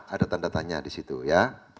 ada tanda tanya di situ ya